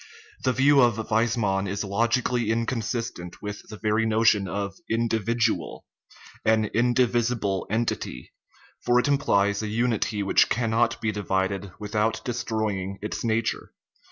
The view of Weismann is logically inconsistent with the very notion of individual an "indivisible" en tity ; for it implies a unity which cannot be divided without destroying its nature.